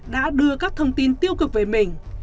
đã đưa các thông tin tiêu cực về mình